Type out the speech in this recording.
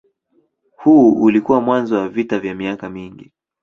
Huu ulikuwa mwanzo wa vita vya miaka mingi.